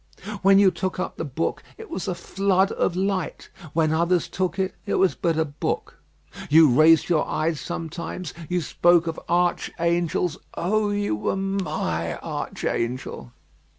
When you took up the book it was a flood of light; when others took it, it was but a book. You raised your eyes sometimes; you spoke of archangels; oh! you were my archangel.